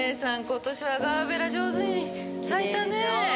今年はガーベラ上手に咲いたねぇ。